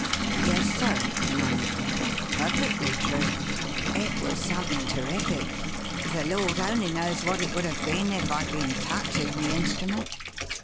"Yes, sir," the man replied, "perfectly true. It was something terrific. The Lord only knows what it would have been if I'd been touching the instrument."